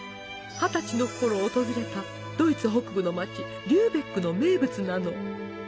二十歳のころ訪れたドイツ北部の街リューベクの名物なの！